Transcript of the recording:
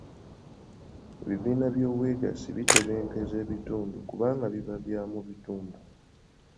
Ebibiina by'obwegassi bitebenkeza ebitundu kubanga biba bya mu bitundu.